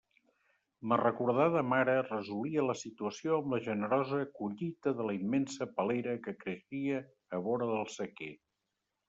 Ma recordada mare resolia la situació amb la generosa collita de la immensa palera que creixia a vora del sequer.